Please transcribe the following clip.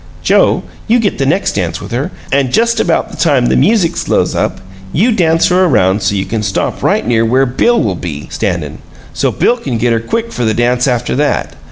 Joe, you get the next dance with her, and just about time the music slows up you dance her around so you can stop right near where Bill will be standin', so Bill can get her quick for the dance after that.